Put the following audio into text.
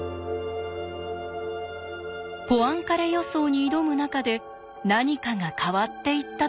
ポアンカレ予想に挑む中で何かが変わっていったというのです。